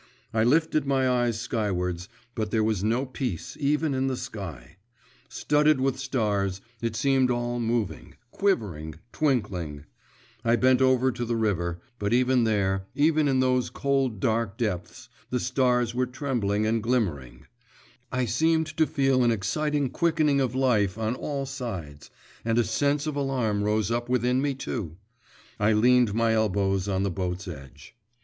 … I lifted my eyes skywards, but there was no peace even in the sky; studded with stars, it seemed all moving, quivering, twinkling; I bent over to the river but even there, even in those cold dark depths, the stars were trembling and glimmering; I seemed to feel an exciting quickening of life on all sides and a sense of alarm rose up within me too. I leaned my elbows on the boat's edge.